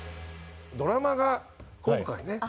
ドラマが今回ね。